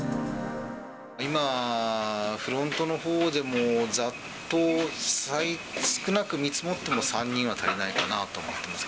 今、フロントのほうでも、ざっと少なく見積もっても３人は足りないかなと思ってます。